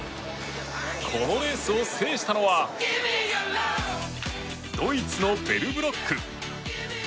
このレースを制したのはドイツのベルブロック。